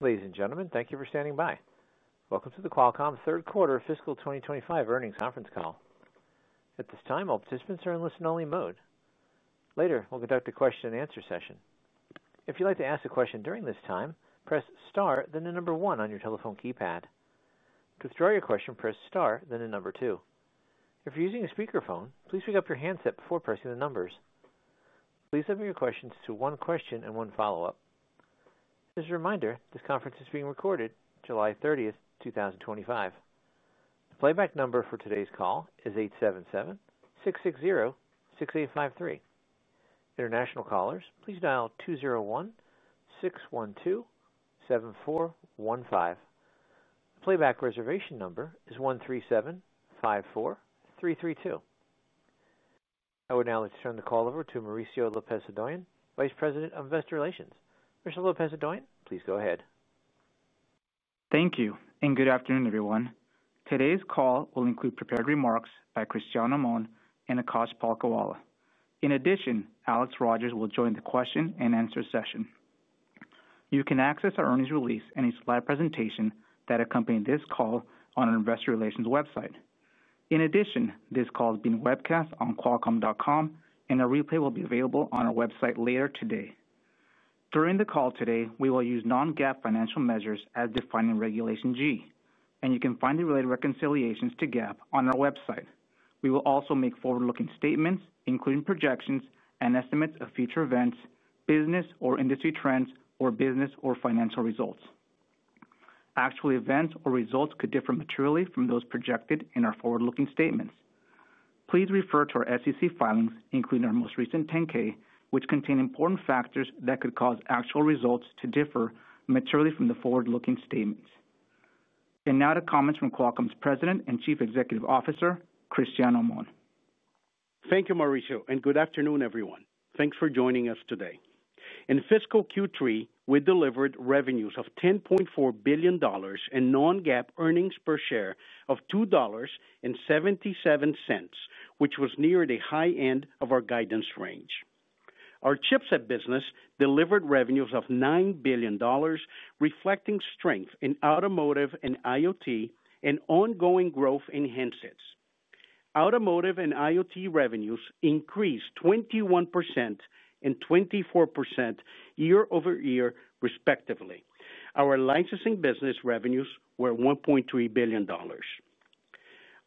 Ladies and gentlemen, thank you for standing by. Welcome to the Qualcomm Third Quarter Fiscal 2025 Earnings Conference Call. At this time, all participants are in listen only mode. Later, we'll conduct a question and answer session. If you'd like to ask a question during this time, press star, then the number one on your telephone keypad. To withdraw your question, press star, then the number two. If you're using a speakerphone, please pick up your handset before pressing the numbers. Please submit your questions to one question and one follow-up. As a reminder, this conference is being recorded July 30, 2025. The playback number for today's call is 877-660-6853. International callers, please dial 201-612-7415. Playback reservation number is 13754. I would now like to turn the call over to Mauricio Lopez-Hodoyan, Vice President of Investor Relations. Mauricio Lopez-Hodoyan. Please go ahead. Thank you and good afternoon everyone. Today's call will include prepared remarks by Cristiano Amon and Akash Palkhiwala. In addition, Alex Rogers will join the question and answer session. You can access our earnings release and a slide presentation that accompany this call on our investor relations website. In addition, this call has been webcast on qualcomm.com and a replay will be available on our website later today. During the call today, we will use non-GAAP financial measures as defined in Regulation G and you can find the related reconciliations to GAAP on our website. We will also make forward-looking statements including projections and estimates of future events, business or industry trends or business or financial results. Actual events or results could differ materially from those projected in our forward-looking statements. Please refer to our SEC filings, including our most recent 10-K, which contain important factors that could cause actual results to differ materially from the forward-looking statements. Now to comments from Qualcomm's President and Chief Executive Officer, Cristiano Amon. Thank you, Mauricio, and good afternoon, everyone. Thanks for joining us today. In fiscal Q3, we delivered revenues of $10.4 billion and non-GAAP earnings per share of $2.77, which was near the high end of our guidance range. Our chipset business delivered revenues of $9 billion, reflecting strength in automotive and IoT and ongoing growth in handsets. Automotive and IoT revenues increased 21% and 24%, respectively. Our licensing business revenues were $1.3 billion.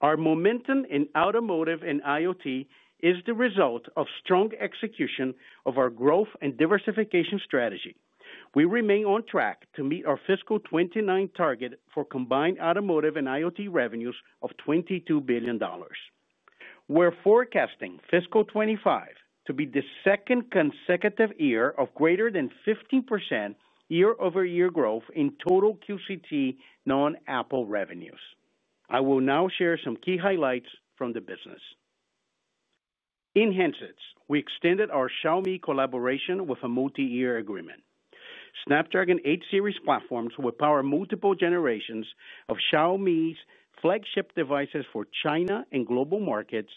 Our momentum in automotive and IoT is the result of strong execution of our growth and diversification strategy. We remain on track to meet our fiscal 2029 target for combined automotive and IoT revenues of $22 billion. We're forecasting fiscal 2025 to be the second consecutive year of greater than 15% year-over-year growth in total QCT non-Apple revenues. I will now share some key highlights from the business. In handsets, we extended our Xiaomi collaboration with a multi-year agreement. Snapdragon 8 series platforms will power multiple generations of Xiaomi's flagship devices for China and global markets.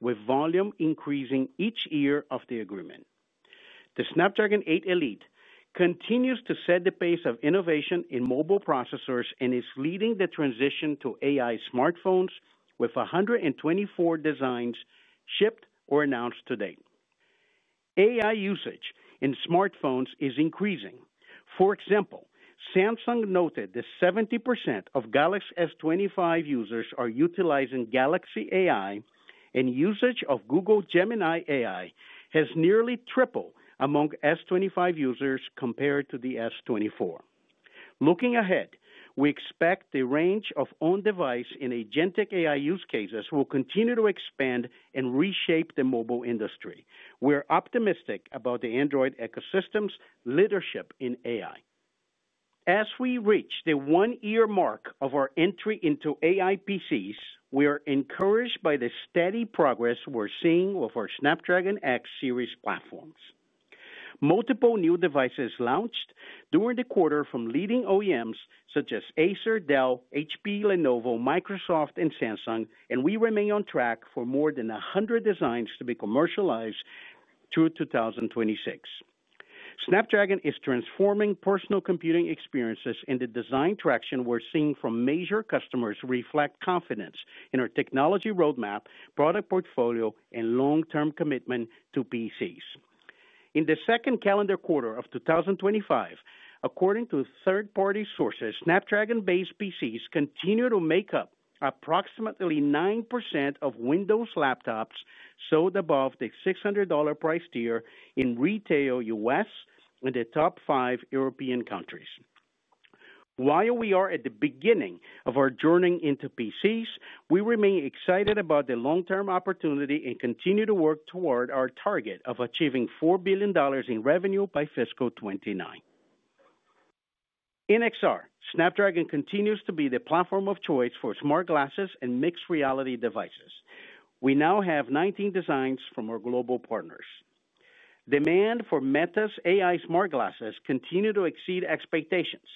With volume increasing each year of the agreement, the Snapdragon 8 Elite continues to set the pace of innovation in mobile processors and is leading the transition to AI smartphones. With 124 designs shipped or announced today, AI usage in smartphones is increasing. For example, Samsung noted that 70% of Galaxy S25 users are utilizing Galaxy AI, and usage of Google Gemini AI has nearly tripled among S25 users compared to the S24. Looking ahead, we expect the range of on-device and agentic AI use cases will continue to expand and reshape the mobile industry. We're optimistic about the Android ecosystem's leadership in AI. As we reach the one-year mark of our entry into AI PCs, we are encouraged by the steady progress we're seeing with our Snapdragon X series platforms. Multiple new devices launched during the quarter from leading OEMs such as Acer, Dell, HP, Lenovo, Microsoft, and Samsung, and we remain on track for more than 100 designs to be commercialized through 2026. Snapdragon is transforming personal computing experiences, and the design traction we're seeing from major customers reflects confidence in our technology roadmap, product portfolio, and long-term commitment to PCs in the second calendar quarter of 2025. According to third party sources, Snapdragon-based PCs continue to make up approximately 9% of Windows laptops sold above the $600 price tier in retail, U.S. and the top five European countries. While we are at the beginning of our journey into PCs, we remain excited about the long term opportunity and continue to work toward achieving $4 billion in revenue by fiscal 2029. In XR, Snapdragon continues to be the platform of choice for smart glasses and mixed reality devices. We now have 19 designs from our global partners. Demand for Meta's AI smart glasses continues to exceed expectations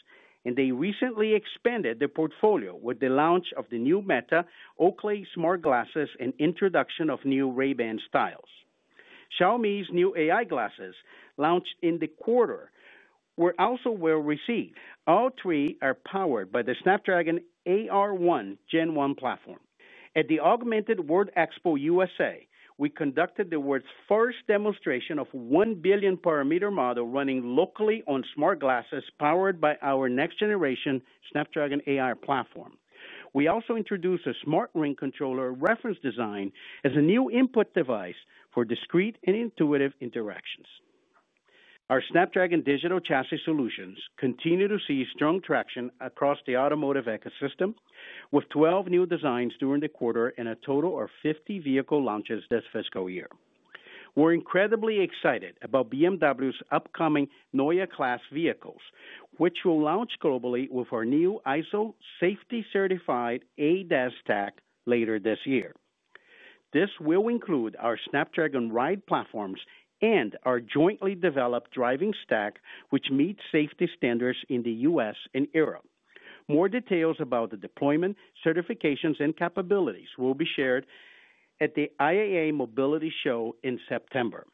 and they recently expanded their portfolio with the launch of the new Meta Oakley smart glasses and introduction of new Ray-Ban styles. Xiaomi's new AI glasses launched in the quarter were also well received. All three are powered by the Snapdragon AR1 Gen 1 platform. At the Augmented World Expo U.S.A, we conducted the world's first demonstration of a 1 billion parameter model running locally on smart glasses powered by our next generation Snapdragon AI platform. We also introduced a smart ring controller reference design as a new input device for discrete and intuitive interactions. Our Snapdragon Digital Chassis solutions continue to see strong traction across the automotive ecosystem with 12 new designs during the quarter and a total of 50 vehicle launches this fiscal year. We're incredibly excited about BMW's upcoming Neue Klasse vehicles which will launch globally with our new ISO Safety Certified ADAS stack later this year. This will include our Snapdragon Ride platforms and our jointly developed Driving Stack which meets safety standards in the US and Europe. More details about the deployment, certifications and capabilities will be shared at the IAA MOBILITY show in September.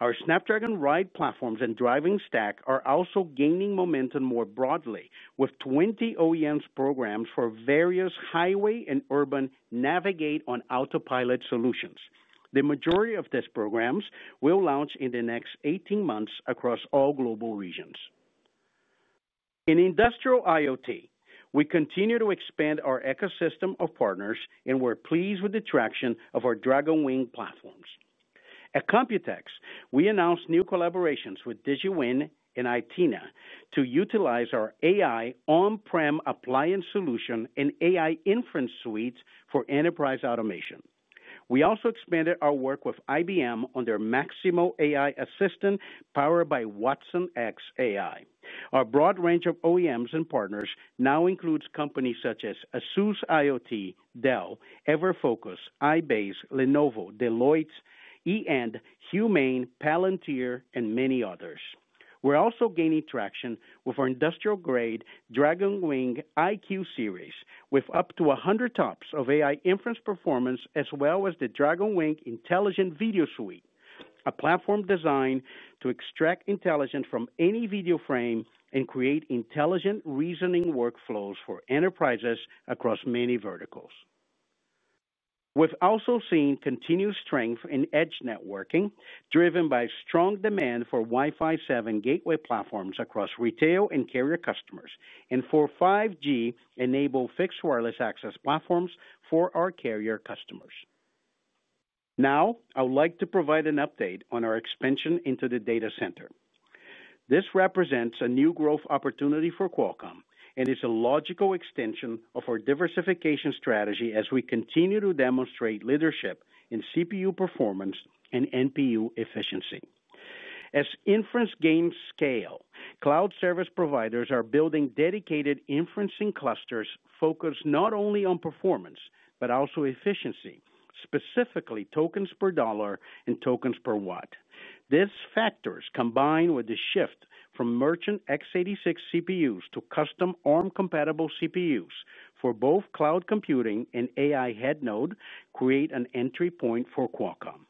Our Snapdragon Ride platforms and Driving Stack are also gaining momentum more broadly with 20 OEM programs for various highway and urban navigate on autopilot solutions. The majority of these programs will launch in the next 18 months across all global regions. In industrial IoT, we continue to expand our ecosystem of partners and we're pleased with the traction of our Dragon Wing platforms. At COMPUTEX, we announced new collaborations with Digiwin and Aetina to utilize our AI on-prem appliance solution and AI inference suite for enterprise automation. We also expanded our work with IBM on their Maximo AI assistant powered by Watsonx AI. Our broad range of OEMs and partners now includes companies such as Asus IoT, Dell, Everfocus, iBase, Lenovo, Deloitte, e&, HUMAIN, Palantir, and many others. We're also gaining traction with our industrial grade Dragon Wing IQ Series with up to 100 TOPS of AI inference performance as well as the Dragonwing Intelligent Video Suite, a platform designed to extract intelligence from any video frame and create intelligent reasoning workflows for enterprises across many verticals. We've also seen continued strength in edge networking driven by strong demand for Wi-Fi 7 gateway platforms across retail and carrier customers and for 5G enabled fixed wireless access platforms for our carrier customers. Now I would like to provide an update on our expansion into the data center. This represents a new growth opportunity for Qualcomm and is a logical extension of our diversification strategy as we continue to demonstrate leadership in CPU performance and NPU efficiency as inference gains scale. Cloud service providers are building dedicated inferencing clusters focused not only on performance but also efficiency, specifically tokens per dollar and tokens per watt. These factors combined with the shift from merchant x86 CPUs to custom ARM-compatible CPUs for both cloud computing and AI Head Node create an entry point for Qualcomm.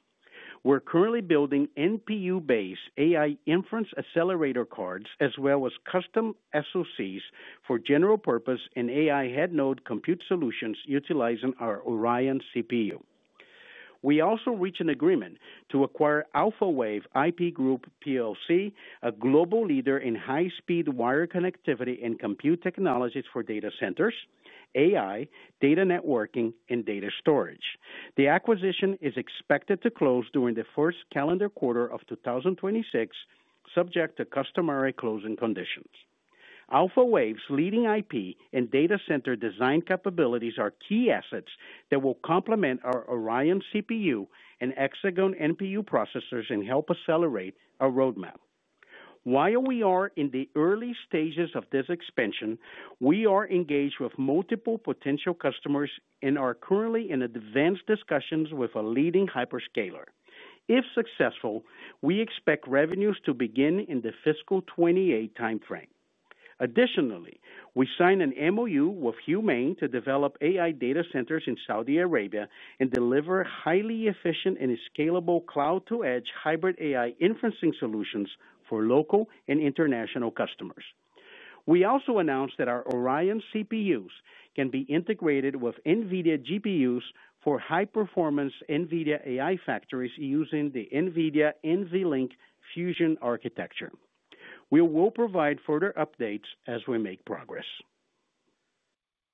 We're currently building NPU-based AI inference accelerator cards as well as custom SoCs for general purpose and AI Head Node compute solutions utilizing our Oryon CPU. We also reached an agreement to acquire Alphawave IP Group, a global leader in high speed wire connectivity and compute technologies for data centers, AI data networking, and data storage. The acquisition is expected to close during the first calendar quarter of 2026. Subject to customary closing conditions, Alphawave's leading IP and data center design capabilities are key assets that will complement our Oryon CPU and Hexagon NPU processors and help accelerate our roadmap. While we are in the early stages of this expansion, we are engaged with multiple potential customers and are currently in advanced discussions with a leading hyperscaler. If successful, we expect revenues to begin in the fiscal '28 time frame. Additionally, we signed an MOU with HUMAIN to develop AI data centers in Saudi Arabia and deliver highly efficient and scalable cloud to edge hybrid AI inferencing solutions for local and international customers. We also announced that our Oryon CPUs can be integrated with NVIDIA GPUs for high performance NVIDIA AI factories using the NVIDIA NVLink Fusion architecture. We will provide further updates as we make progress.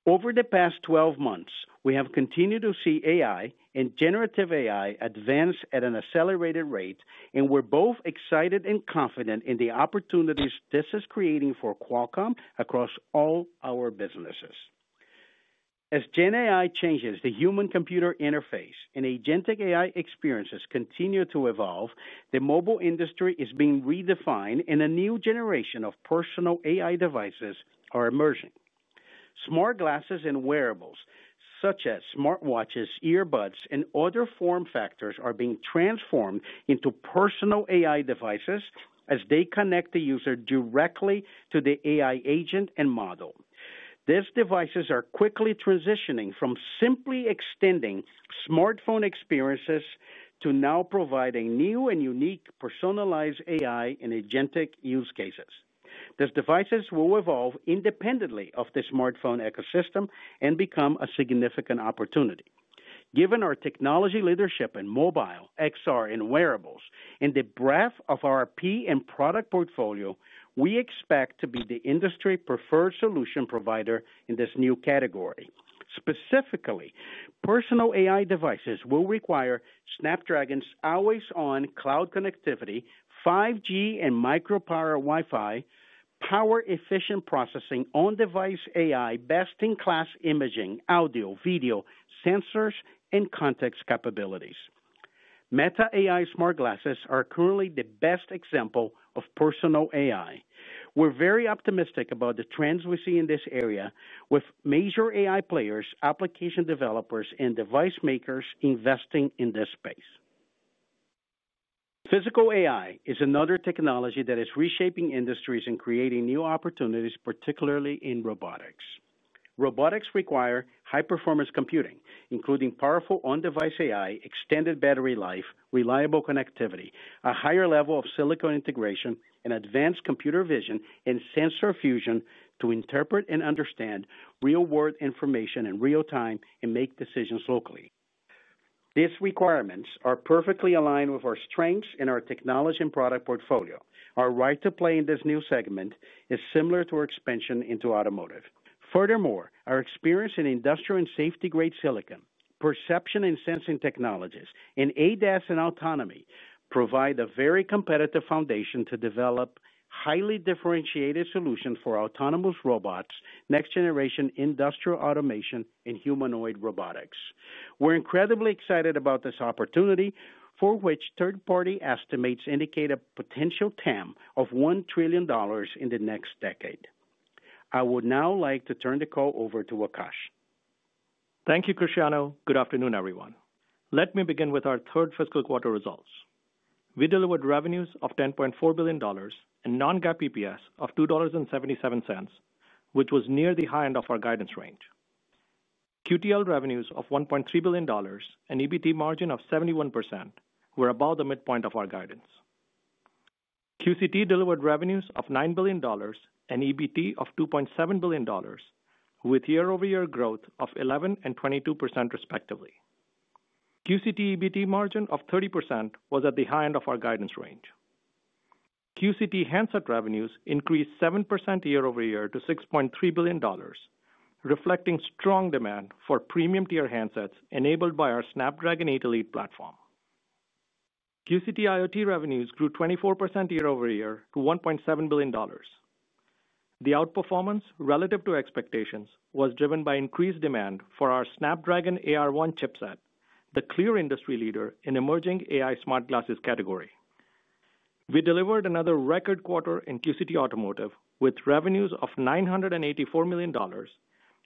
Over the past 12 months, we have continued to see AI and generative AI advance at an accelerated rate and we're both excited and confident in the opportunities this is creating for Qualcomm across all our businesses. As Gen AI changes the human computer interface and agentic AI experiences continue to evolve, the mobile industry is being redefined and a new generation of personal AI devices are emerging. Smart glasses and wearables such as smartwatches, earbuds, and other form factors are being transformed into personal AI devices and as they connect the user directly to the AI agent and model, these devices are quickly transitioning from simply extending smartphone experiences to now providing new and unique personalized AI in agentic use cases. These devices will evolve independently of the smartphone ecosystem and become a significant opportunity. Given our technology leadership in mobile XR and wearables and the breadth of our product portfolio, we expect to be the industry preferred solution provider in this new category. Specifically, personal AI devices will require Snapdragon's always on cloud connectivity, 5G, and micro-power Wi-Fi, power efficient processing, on-device AI, best in class imaging, audio, video sensors, and context capabilities. Meta AI Smart glasses are currently the best example of personal AI. We're very optimistic about the trends we see in this area with major AI players, application developers, and device makers investing in this space. Physical AI is another technology that is reshaping industries and creating new opportunities, particularly in robotics. Robotics require high-performance computing including powerful on device AI, extended battery life, reliable connectivity, a higher level of silicon integration, and advanced computer vision and sensor fusion to interpret and understand real world information in real time and make decisions locally. These requirements are perfectly aligned with our strengths in our technology and product portfolio. Our right to play in this new segment is similar to our expansion into automotive. Furthermore, our experience in industrial and safety grade silicon perception and sensing technologies and ADAS and autonomy provide a very competitive foundation to develop highly differentiated solution for autonomous robots, next generation industrial automation and humanoid robotics. We're incredibly excited about this opportunity for which third party estimates indicate a potential TAM of $1 trillion in the next decade. I would now like to turn the call over to Akash. Thank you, Cristiano. Good afternoon, everyone. Let me begin with our third fiscal quarter results. We delivered revenues of $10.4 billion and non-GAAP EPS of $2.77, which was near the high end of our guidance range. QTL revenues of $1.3 billion and EBT margin of 71% were above the midpoint of our guidance. QCT delivered revenues of $9 billion and EBT of $2.7 billion with year-over-year growth of 11% and 22%, respectively. QCT EBT margin of 30% was at the high end of our guidance range. QCT handset revenues increased 7% year-over-year to $6.3 billion, reflecting strong demand for premium tier handsets enabled by our Snapdragon 8 Elite platform. QCT IoT revenues grew 24% year-over-year to $1.7 billion. The outperformance relative to expectations was driven by increased demand for our Snapdragon AR1 chipset, the clear industry leader in the emerging AI smart glasses category. We delivered another record quarter in QCT Automotive with revenues of $984 million,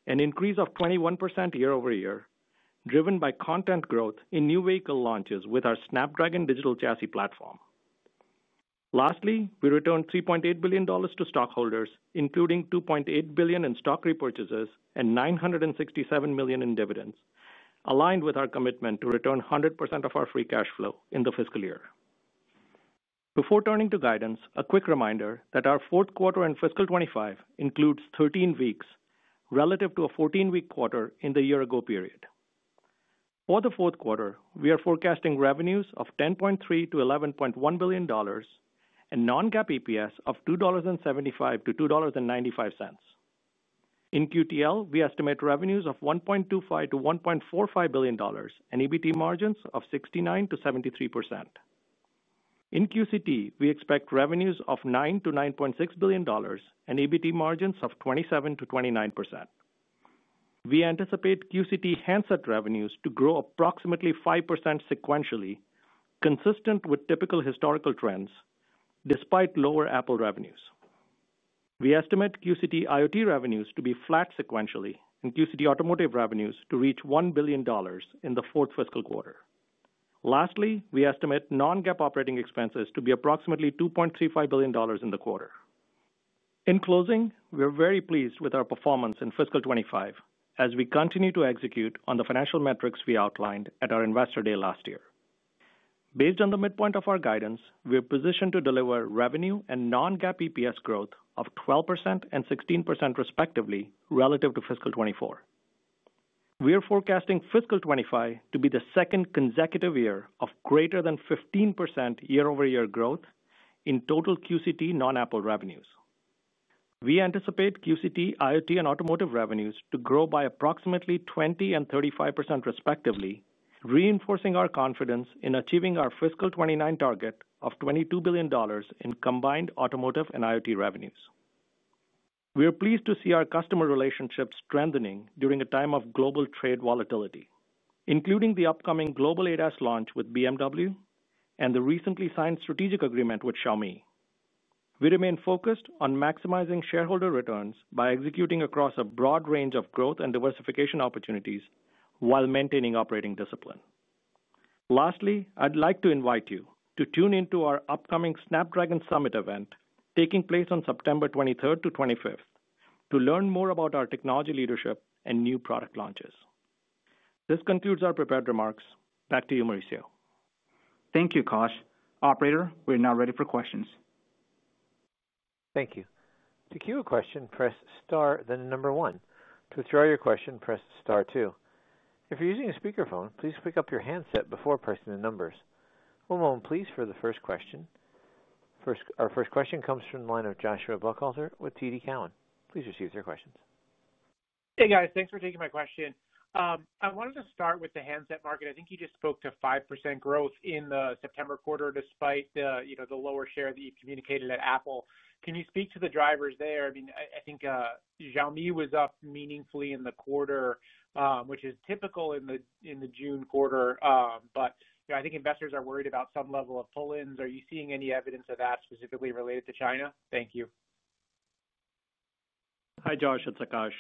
an increase of 21% year-over-year driven by content growth in new vehicle launches with our Snapdragon Digital Chassis platform. Lastly, we returned $3.8 billion to stockholders, including $2.8 billion in stock repurchases and $967 million in dividends, aligned with our commitment to return 100% of our free cash flow in the fiscal year. Before turning to guidance, a quick reminder that our fourth quarter and fiscal 2025 includes 13 weeks relative to a 14-week quarter in the year-ago period. For the fourth quarter, we are forecasting revenues of $10.3 billion-$11.1 billion and non-GAAP EPS of $2.75-$2.95. In QTL, we estimate revenues of $1.25 billion-$1.45 billion and EBT margins of 69%-73%. In QCT, we expect revenues of $9 billion-$9.6 billion and EBT margins of 27%-29%. We anticipate QCT handset revenues to grow approximately 5% sequentially, consistent with typical historical trends. Despite lower Apple revenues, we estimate QCT IoT revenues to be flat sequentially and QCT Automotive revenues to reach $1 billion in the fourth fiscal quarter. Lastly, we estimate non-GAAP operating expenses to be approximately $2.35 billion in the quarter. In closing, we're very pleased with our performance in fiscal 2025 as we continue to execute on the financial metrics we outlined at our Investor Day last year. Based on the midpoint of our guidance, we are positioned to deliver revenue and non-GAAP EPS growth of 12% and 16%, respectively, relative to fiscal '24. We are forecasting fiscal '25 to be the second consecutive year of greater than 15% year-over-year growth in total QCT non-Apple revenues. We anticipate QCT, IoT, and automotive revenues to grow by approximately 20% and 35% respectively, reinforcing our confidence in achieving our fiscal 2029 target of $22 billion in combined automotive and IoT revenues. We are pleased to see our customer relationships strengthening during a time of global trade volatility, including the upcoming global ADAS launch with BMW and the recently signed strategic agreement with Xiaomi. We remain focused on maximizing shareholder returns by executing across a broad range of growth and diversification opportunities while maintaining operating discipline. Lastly, I'd like to invite you to tune into our upcoming Snapdragon Summit event taking place on September 23 to 25 to learn more about our technology, leadership, and new product launches. This concludes our prepared remarks. Back to you, Mauricio. Thank you, Akash. Operator, we're now ready for questions. Thank you. To cue a question, press star, then number one. To withdraw your question, press star, two. If you're using a speakerphone, please pick up your handset before pressing the numbers. One moment please for the first question. Our first question comes from the line of Joshua Buchalter with TD Cowen. Please proceed with your questions. Hey guys, thanks for taking my question. I wanted to start with the handset market. I think you just spoke to 5% growth in the September quarter despite the lower share that you communicated at Apple. Can you speak to the drivers there? I think Xiaomi was up meaningfully in the quarter, which is typical in the June quarter. I think investors are worried about some level of pull ins. Are you seeing any evidence of that specifically related to China? Thank you. Hi Josh, it's Akash.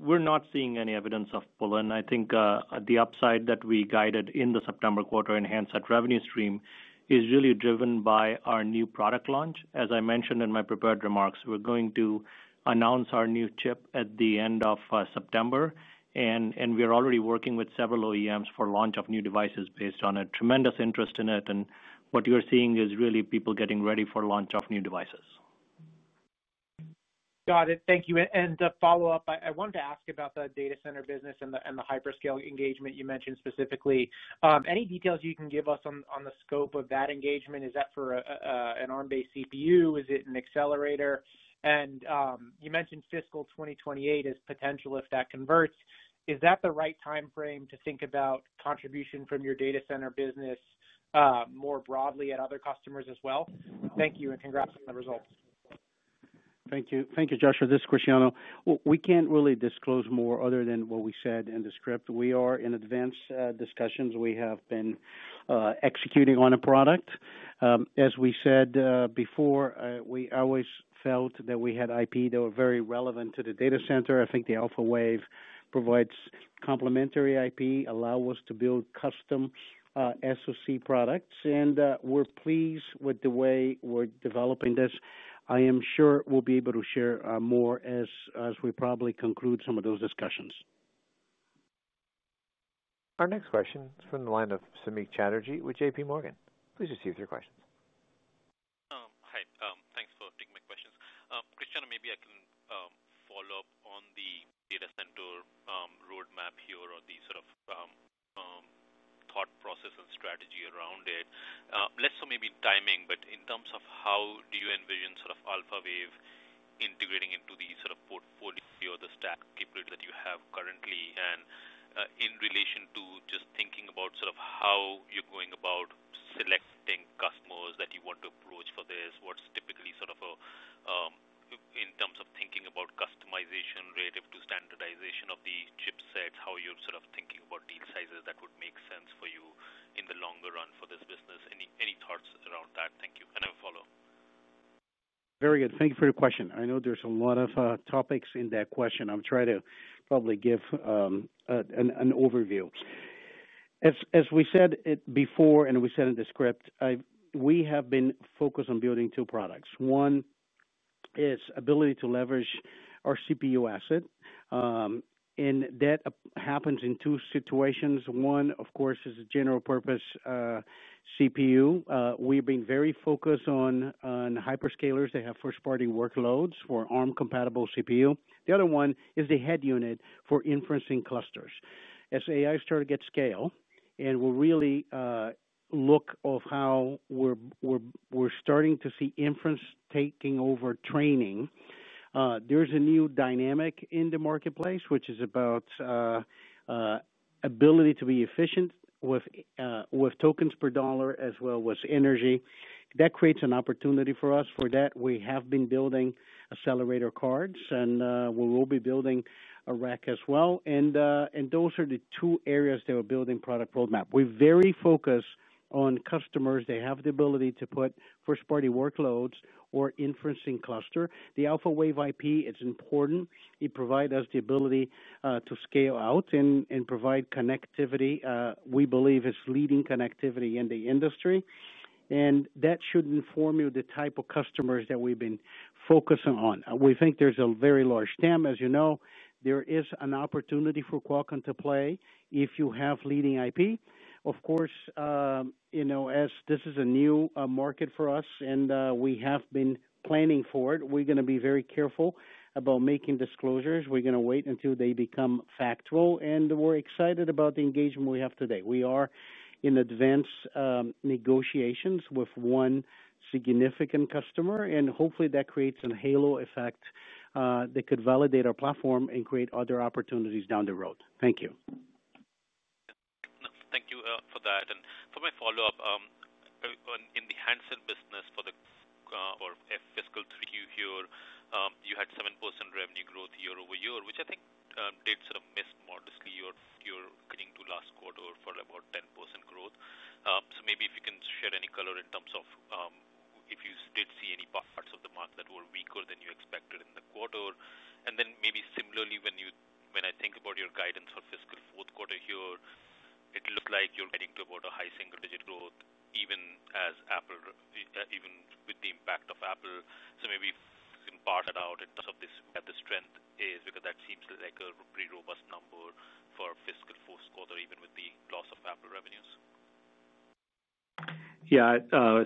We're not seeing any evidence of pull-in. I think the upside that we guided in the September quarter and hence that revenue stream is really driven by our new product launch. As I mentioned in my prepared remarks, we're going to announce our new chip at the end of September and we are already working with several OEMs for launch of new devices based on a tremendous interest in it. What you're seeing is really people getting ready for launch of new devices. Got it. Thank you. To follow-up, I wanted to ask about the data center business and the hyperscale engagement you mentioned. Specifically, any details you can give us on the scope of that engagement. Is that for an ARM-based CPU? Is it an accelerator? You mentioned fiscal 2028 as potential if that converts. Is that the right time frame to think about contribution from your data center business more broadly at other customers as well? Thank you and congrats on the results. Thank you. Thank you. Joshua, this is Cristiano. We can't really disclose more other than what we said in the script. We are in advanced discussions, we have been executing on a product. As we said before, we always felt that we had IP that was very relevant to the data center. I think the Alphawave provides complementary IP, allows us to build custom SoC products, and we're pleased with the way we're developing this. I am sure we'll be able to share more as we probably conclude some of those discussions. Our next question from the line of Samik Chatterjee with J.P. Morgan. Please receive your questions. Hi, thanks for taking my questions, Cristiano. Maybe I can follow-up on the data center roadmap here or the sort of thought process and strategy around it. Less so, maybe timing. In terms of how do you envision sort of Alphawave integrating into the sort of portfolio, the stack capability that you have currently, and in relation to just thinking about sort of how you're going about selecting customers that you want to approach for this, what's typically sort of a, in terms of thinking about customization relative to standardization of the chipset, how you're sort of thinking about deal sizes that would make sense for you in the longer run for this business. Any thoughts around that? Thank you and I'll follow-up. Very good. Thank you for your question. I know there's a lot of topics in that question. I'll try to probably give an overview. As we said it before and we said in the script, we have been focused on building two products. One is ability to leverage our CPU asset and that happens in two situations. One of course is a general purpose CPU. We've been very focused on hyperscalers. They have first party workloads for ARM- compatible CPU. The other one is the head unit for inference clusters. As AI starts to get scale and we really look at how we're starting to see inference taking over training, there's a new dynamic in the marketplace which is about ability to be efficient with tokens per dollar as well as energy. That creates an opportunity for us. For that we have been building accelerator cards and we will be building a rack as well and those are the two areas that we're building. Product roadmap, we're very focused on customers. They have the ability to put first party workloads or inference cluster. The Alphawave IP is important. It provides us the ability to scale out and provide connectivity. We believe it's leading connectivity in the industry and that should inform you the type of customers that we've been focusing on. We think there's a very large TAM. As you know, there is an opportunity for Qualcomm to play if you have leading IP. Of course, as this is a new market for us and we have been planning for it, we're going to be very careful about making disclosures. We're going to wait until they become factual and we're excited about the engagement we have today. We are in advanced negotiations with one significant customer and hopefully that creates a halo effect that could validate our platform and create other opportunities down the road. Thank you. Thank you for that and for my Follow-up in the handsets business for the fiscal three here, you had 7% revenue growth year-over-year, which I think did sort of miss modestly. You were guiding to last quarter for about 10% growth. Maybe if you can share any color in terms of if you did see any parts of the month that were weaker than you expected in the quarter. Similarly, when I think about your guidance for fiscal fourth quarter here, it looked like you're heading toward a high single digit growth even with the impact of Apple. Maybe in part the strength is because that seems like a pretty robust number for fiscal fourth quarter, even with the loss of Apple revenues? Yeah,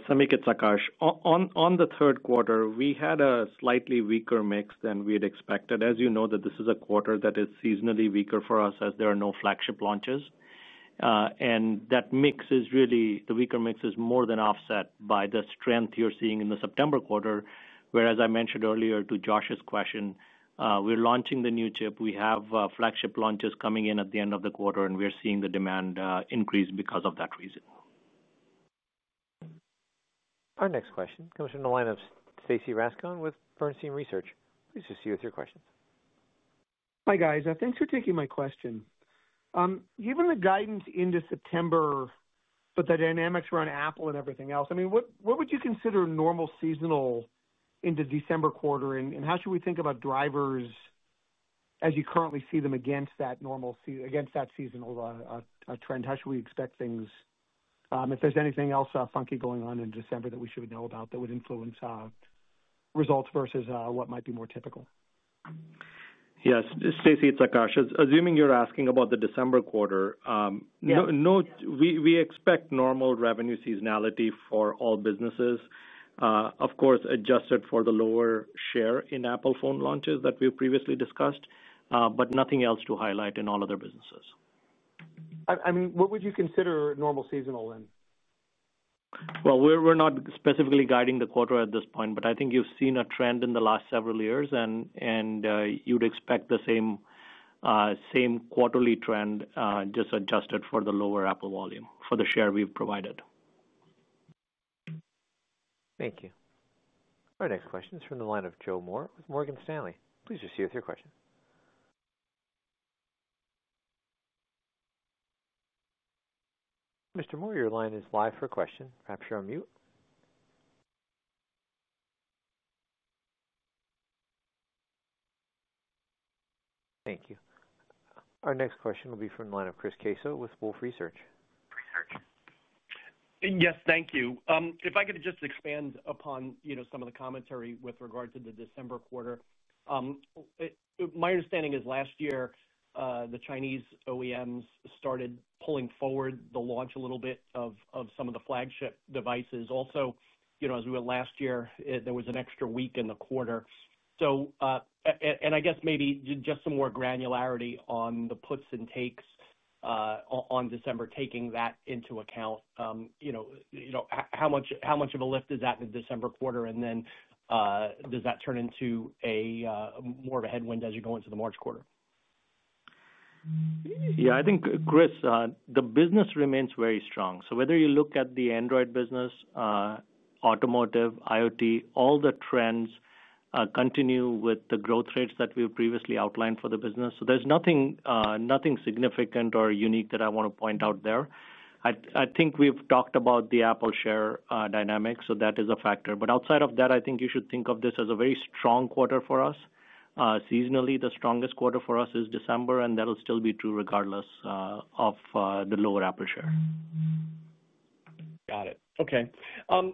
same. It's Akash. On the third quarter, we had a slightly weaker mix than we had expected. As you know, this is a quarter that is seasonally weaker for us as there are no flagship launches. That mix is really, the weaker mix is more than offset by the strength you're seeing in the September quarter, where, as I mentioned earlier to Josh's question, we're launching the new chip, we have flagship launches coming in at the end of the quarter, and we're seeing the demand increase because of that reason. Our next question comes from the line of Stacy Rasgon with Bernstein Research. Please proceed with your questions. Hi, guys. Thanks for taking my question, given the guidance into September, but the dynamics around Apple and everything else, I mean, what would you consider normal seasonal in the December quarter? How should we think about drivers as you currently see them, against that normal, against that seasonal trend? How should we expect things if there's anything else funky going on in December that we should know about that would influence results versus what might be more typical? Yes, Stacy, it's Akash. Assuming you're asking about the December quarter, we expect normal revenue seasonality for all businesses, of course, adjusted for the lower share in Apple phone launches that we previously discussed, but nothing else to highlight in all other businesses. I mean, what would you consider normal seasonal then? We're not specifically guiding the quarter at this point, but I think you've seen a trend in the last several years and you'd expect the same quarterly trend, just adjusted for the lower Apple volume for the share we've provided. Thank you. Our next question is from the line of Joe Moore with Morgan Stanley. Please proceed with your question. Mr. Moore, your line is live for question. Perhaps you're on mute. Thank you. Our next question will be from the line of Chris Caso with Wolfe Research. Yes, thank you. If I could just expand upon, you know, some of the commentary with regard. To the December quarter. My understanding is last year the Chinese OEMs started pulling forward the launch a little bit of some of the flagship devices. Also, you know, as we were last year, there was an extra week in the quarter. I guess maybe just some more granularity on the puts and takes on December, taking that into account, you know. You know, how much, how much of a lift is that in the December quarter? Does that turn into more of a headwind as you go to the March quarter? Yeah, I think, Chris, the business remains very strong. Whether you look at the Android business, Automotive, IoT, all the trends continue with the growth rates that we've previously outlined for the business. There's nothing significant or unique that I want to point out there. I think we've talked about the Apple share dynamic, so that is a factor. Outside of that, you should think of this as a very strong quarter for us seasonally. The strongest quarter for us is December and that'll still be true regardless of the lower Apple share. Got it. Okay.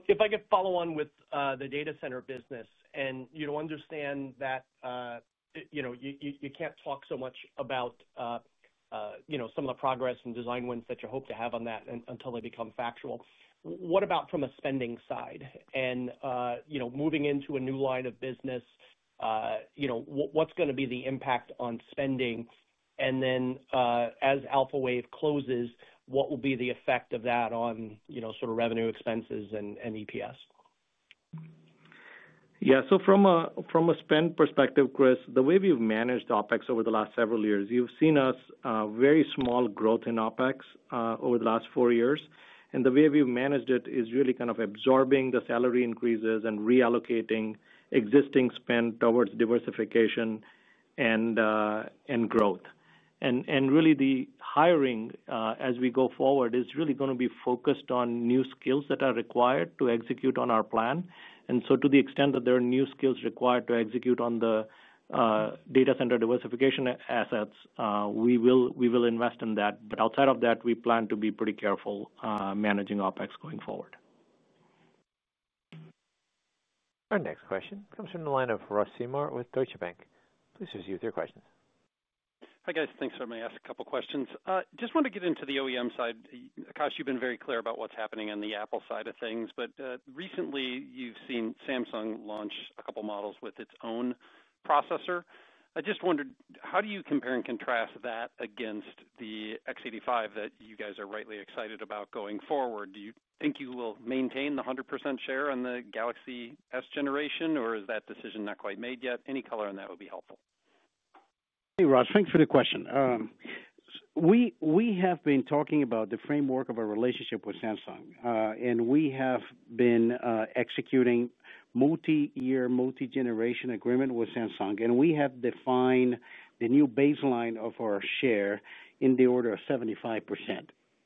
If I could follow on with the data center business, and you understand that, you know, you can't talk so much about, you know, some of the progress and design wins that you hope to have on that until they become factual. What about from a spending side and, you know, moving into a new line of business? You know, what's going to be the impact on spending and then as Alphawave closes, what will be the effect of that on sort of revenue, expenses, and EPS? Yeah. From a spend perspective, Chris, the way we've managed OpEx over the last several years, you've seen very small growth in OpEx over the last four years, and the way we've managed it is really kind of absorbing the salary increases and reallocating existing spend towards diversification and growth. The hiring as we go forward is really going to be focused on new skills that are required to execute on our plan. To the extent that there are new skills required to execute on the data center diversification assets, we will invest in that. Outside of that, we plan to be pretty careful managing OpEx going forward. Our next question comes from the line of Ross Seymore with Deutsche Bank. Please proceed with your questions. Hi guys, thanks for letting me ask a couple questions. Just want to get into the OEM side. Akash, you've been very clear about what's happening on the Apple side of things, but recently you've seen Samsung launch a couple models with its own processor. I just wondered how do you compare? Contrast that against the x85 that you guys are rightly excited about going forward? Do you think you will. Maintain the 100% share on the Galaxy S generation? Or is that decision not quite made yet? Any color on that would be helpful. Hey Ross, thanks for the question. We have been talking about the framework of our relationship with Samsung and we have been executing multi-year, multi-generation agreement with Samsung and we have defined the new baseline of our share in the order of 75%.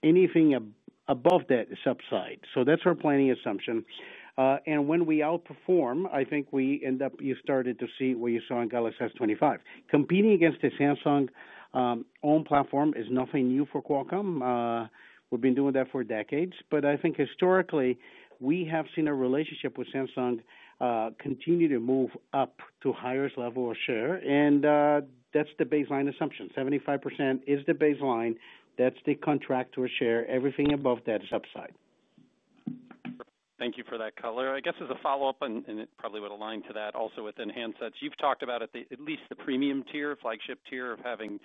Anything above that is upside. That is our planning assumption and when we outperform I think we end up, you started to see what you saw in Galaxy S25. Competing against a Samsung own platform is nothing new for Qualcomm. We have been doing that for decades but I think historically we have seen a relationship with Samsung continue to move up to highest level of share and that is the baseline assumption. 75% is the baseline. That is the contracted share. Everything above that is upside. Thank you for that color. I guess as a follow-up, and it probably would align to that also, within handsets, you've talked about at least the premium tier, flagship tier, of having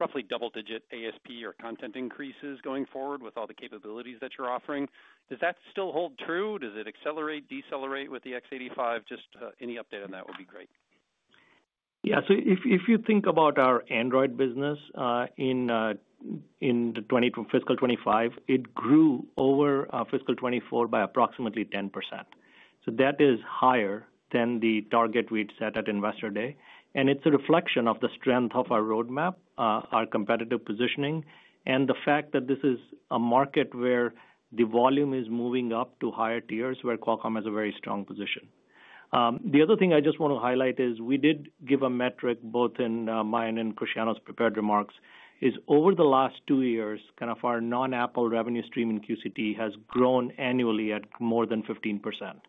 roughly double digit ASP or content increases going forward with all the capabilities that you're offering. Does that still hold true? Does it accelerate, decelerate with the x85? Just any update on that would be great. Yeah. If you think about our Android business in fiscal '25, it grew over fiscal '24 by approximately 10%, so that is higher than the target we'd set at Investor Day. It is a reflection of the strength of our roadmap, our competitive positioning, and the fact that this is a market where the volume is moving up to higher tiers where Qualcomm has a very strong position. The other thing I just want to highlight is we did give a metric both in my and Cristiano's prepared remarks: over the last two years, kind of our non-Apple revenue stream in QCT has grown annually at more than 15%.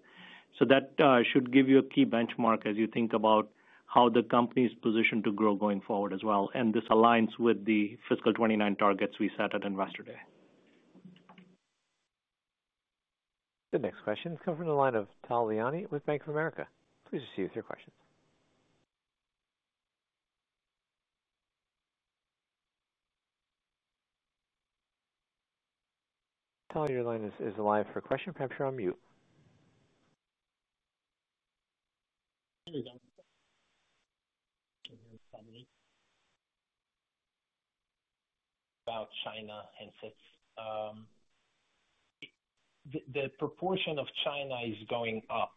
That should give you a key benchmark as you think about how the company is positioned to grow going forward as well. This aligns with the fiscal '29 targets we set at Investor Day. The next question comes from the line of Tal Liani with Bank of America. Please receive your questions. Tal, your line is live for question. Perhaps you're on mute. There we go. About China and fits the proportion of China is going up.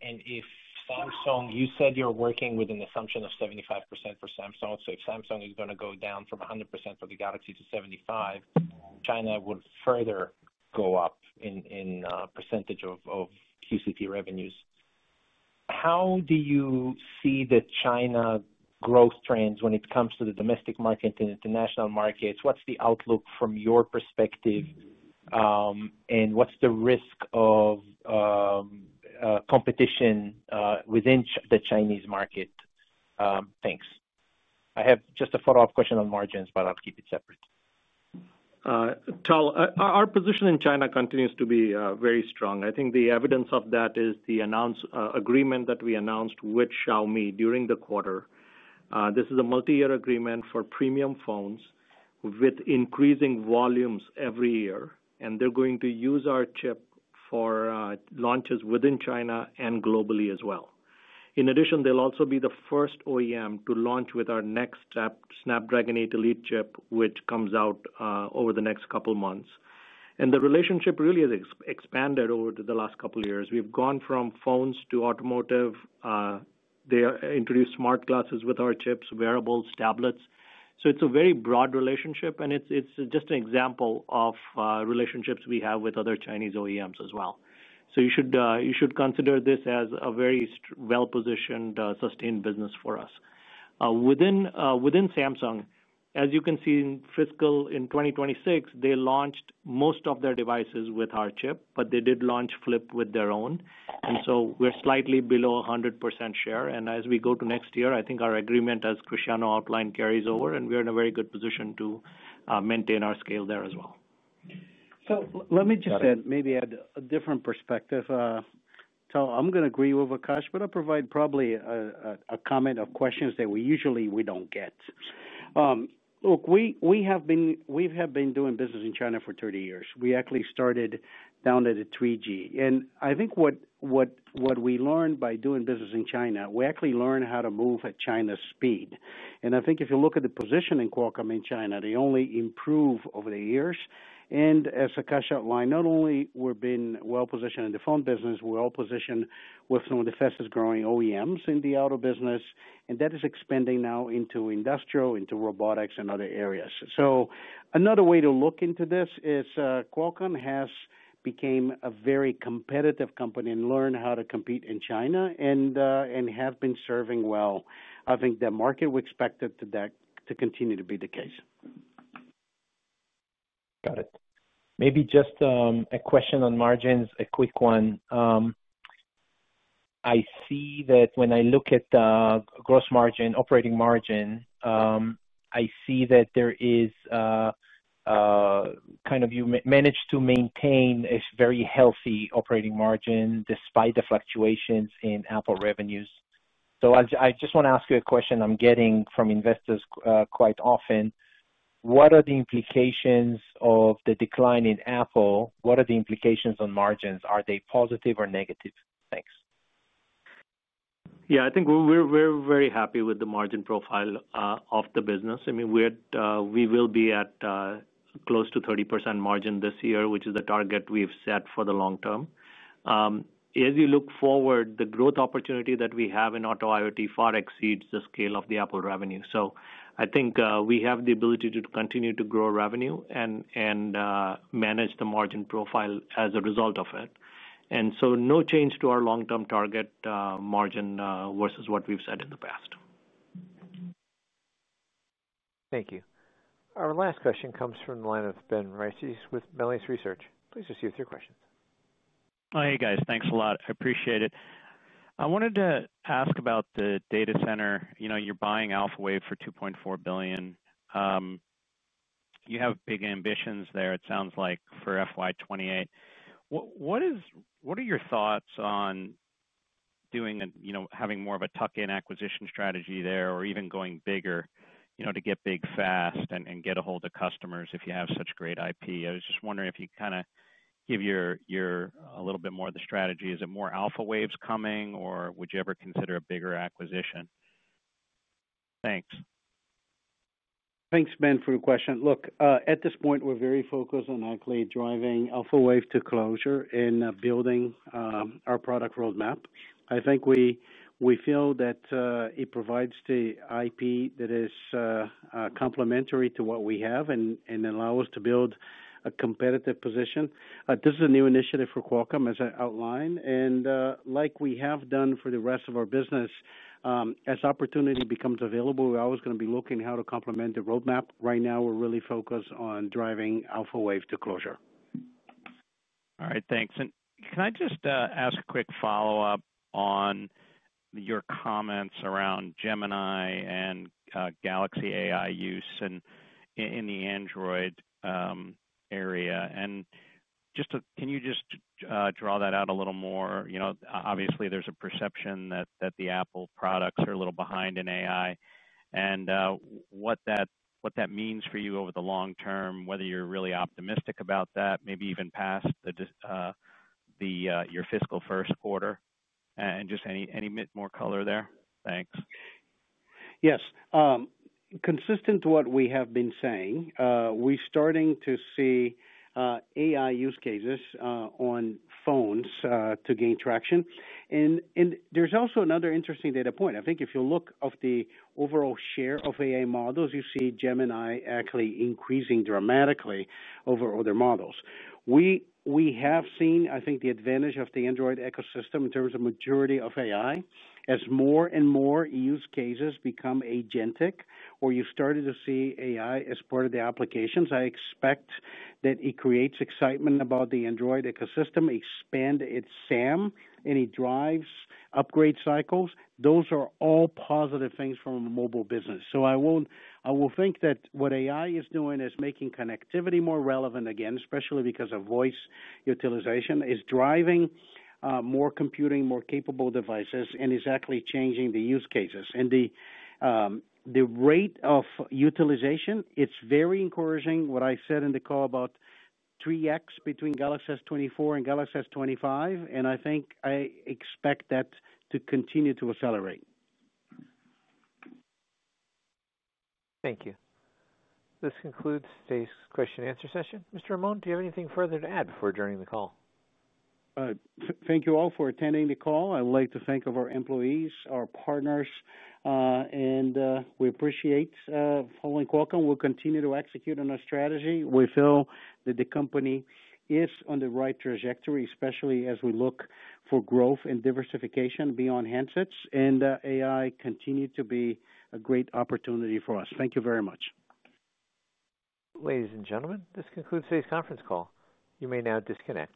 If Samsung, you said you're working. With an assumption of 75% for Samsung. If Samsung is going to go down from 100% for the Galaxy to. 75, China would further go up in. Percentage of QCT revenues. How do you see the China growth trends when it comes to the domestic? Market and international markets? What's the outlook from your perspective? What's the risk of competition within the Chinese market? Thanks. I have just a follow-up question. On margins but I'll keep it separate. Tal, our position in China continues to be very strong. I think the evidence of that is the agreement that we announced with Xiaomi during the quarter. This is a multi-year agreement for premium phones with increasing volumes every year. They're going to use our chip for launches within China and globally as well. In addition, they'll also be the first OEM to launch with our next Snapdragon 8 Elite chip, which comes out over the next couple months. The relationship really has expanded over the last couple years. We've gone from phones to automotive, they introduced smart glasses with our chips, wearables, tablets. It is a very broad relationship and it's just an example of relationships we have with other Chinese OEMs as well. You should consider this as a very well-positioned, sustained business for us. Within Samsung, as you can see, in fiscal 2026 they launched most of their devices with our chip, but they did launch flip with their own. We are slightly below 100% share. As we go to next year, I think our agreement, as Cristiano outlined, carries over and we're in a very good position to maintain our scale there as well. Let me just maybe add a different perspective. I'm going to agree with Akash, but I'll provide probably a comment of questions that we usually we don't get. Look, we have been doing business in China for 30 years. We actually started down at the 3G and I think what we learned by doing business in China, we actually learned how to move at China's speed. I think if you look at the position in Qualcomm in China, they only improve over the years. As Akash outlined, not only have we been well positioned in the phone business, we're also positioned with some of the fastest growing OEMs in the auto business and that is expanding now into industrial, into robotics and other areas. Another way to look into this is Qualcomm has become a very competitive company and learned how to compete in China and have been serving well, I think the market. We expect that to continue to be the case. Got it. Maybe just a question on margins, a quick one. I see that when I look at. Gross margin, operating margin, I see that there is. Kind of you manage to. Maintain a very healthy operating margin despite the fluctuations in Apple revenues. I just want to ask you a question I'm getting from investors quite often. What are the implications of the decline in Apple? What are the implications on margins? Are they positive or negative? Thanks. Yeah, I think we're very happy with the margin profile of the business. I mean, we will be at close to 30% margin this year, which is the target we have set for the long term. As you look forward, the growth opportunity that we have in auto IoT far exceeds the scale of the Apple revenue. I think we have the ability to continue to grow revenue and manage the margin profile as a result of it and no change to our long-term target margin versus what we've said in the past. Thank you. Our last question comes from the line of Ben Reitzes with Melius Research. Please proceed with your questions. Hey guys, thanks a lot, I appreciate it. I wanted to ask about the data center. You know you're buying Alphwave for $2.4 billion. You have big ambitions there, it sounds like for FY '28. What are your thoughts on doing, you know, having more of a tuck-in acquisition strategy there or even going bigger, you know, to get big fast and get ahold of customers? If you have such great IP, I was just wondering if you could kind of give your, a little bit more of the strategy, is it more Alphawaves coming or would you ever consider a bigger acquisition? Thanks. Thanks Ben for your question. Look, at this point we're very focused on actually driving Alphawave IP Group to closure in building our product roadmap. I think we feel that it provides the IP that is complementary to what we have and allows us to build a competitive position. This is a new initiative for Qualcomm as I outlined and like we have done for the rest of our business. As opportunity becomes available, always going to be looking how to complement the roadmap. Right now we're really focused on driving Alphawave IP Group to closure. All right, thanks. Can I just ask a quick question. Follow-up on your comments around Gemini and Galaxy AI use in the Android area and just can you just draw that out a little more? Obviously there's a perception that the Apple products are a little behind in AI and what that means for you over the long term, whether you're really optimistic about that, maybe even past. Your fiscal. First quarter and just any bit more color there? Thanks. Yes, consistent to what we have been saying, we are starting to see AI use cases on phones gain traction and there's also another interesting data point. I think if you look at the overall share of AI models, you see Gemini increasing dramatically over other models. We have seen, I think, the advantage of the Android ecosystem in terms of majority of AI as more and more use cases become agentic or you start to see AI as part of the applications. I expect that it creates excitement about the Android ecosystem, expands its SAM and drives upgrade cycles. Those are all positive things from a mobile business, so I will not, I will think that what AI is doing is making connectivity more relevant again, especially because voice utilization is driving more computing, more capable devices, and is actually changing the use cases and the rate of utilization. It's very encouraging what I said in the call about 3x between Galaxy S24 and Galaxy S25 and I think I expect that to continue to accelerate. Thank you. This concludes today's question and answer session. Mr. Amon, do you have anything further to add before joining the call? Thank you all for attending the call. I'd like to thank all of our employees, our partners, and we appreciate following Qualcomm. We'll continue to execute on our strategy. We feel that the company is on the right trajectory, especially as we look for growth and diversification beyond handsets, and AI continues to be a great opportunity for us. Thank you very much. Ladies and gentlemen, this concludes today's conference call. You may now disconnect.